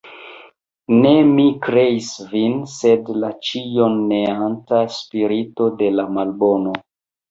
Ne mi kreis vin, sed la ĉion neanta spirito de la Malbono.